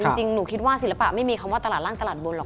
จริงหนูคิดว่าศิลปะไม่มีคำว่าตลาดร่างตลาดบนหรอก